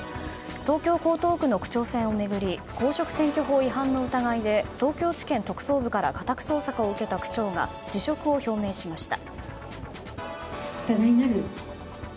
東京・江東区の区長選を巡り公職選挙法違反の疑いで東京地検特捜部から家宅捜索を受けた区長が辞職を表明しました。